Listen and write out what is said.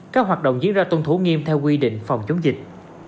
các hoạt động diễn ra tuân thủ nghiêm theo quy định phòng chống dịch